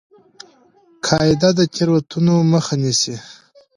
قاعده د تېروتنو مخه نیسي.